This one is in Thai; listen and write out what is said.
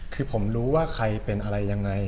คือผมรู้ว่าใครเป็นอะไรยังไง